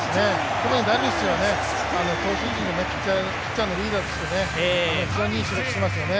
特にダルビッシュは投手陣のピッチャーのリーダーとして非常にいい仕事をしていますよね。